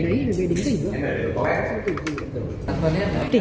phải về đúng tỉnh thì mới được gọi